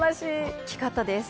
大きかったです。